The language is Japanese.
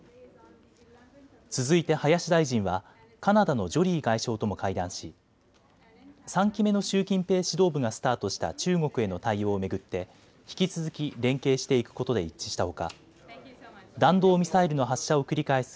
続いて林大臣はカナダのジョリー外相とも会談し、３期目の習近平指導部がスタートした中国への対応を巡って引き続き連携していくことで一致したほか弾道ミサイルの発射を繰り返す